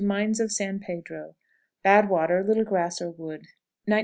Mines of San Pedro. Bad water; little grass or water.